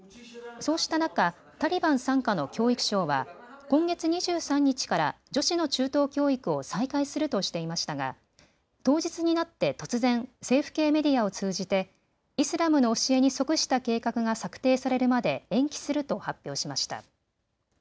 そうした中、タリバン傘下の教育省は今月２３日から女子の中等教育を再開するとしていましたが当日になって突然、政府系メディアを通じてイスラムの教えに即した計画が策定されるまで延期すると発表しました。